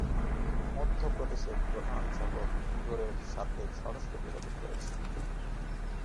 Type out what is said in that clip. মধ্যপ্রদেশের প্রধান শহর ইন্দোরের সাথে সরাসরি যোগাযোগ রয়েছে।